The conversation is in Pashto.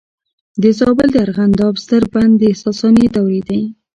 د زابل د ارغنداب ستر بند د ساساني دورې دی